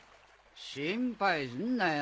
心配すんなよ